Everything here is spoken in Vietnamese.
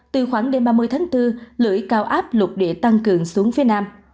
từ khoảng đêm ba mươi tháng bốn lưỡi cao áp lục địa tăng cường xuống phía nam